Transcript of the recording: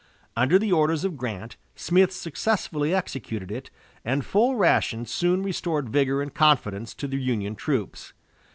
Under the orders of Grant, Smith successfully executed it, and full rations soon restored vigor and confidence to the Union troops.